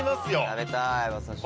食べたい。